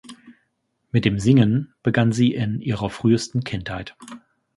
Mit dem Singen begann sie in ihrer frühesten Kindheit.